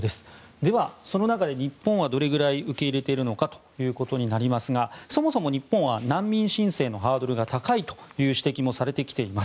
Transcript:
では、その中で日本はどれくらい受け入れているのかになりますがそもそも日本は難民申請のハードルが高いという指摘もされてきています。